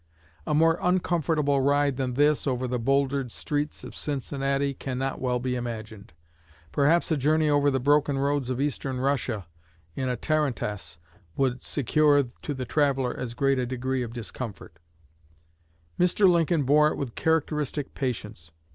A more uncomfortable ride than this, over the bouldered streets of Cincinnati, cannot well be imagined. Perhaps a journey over the broken roads of Eastern Russia, in a tarantass, would secure to the traveler as great a degree of discomfort. Mr. Lincoln bore it with characteristic patience.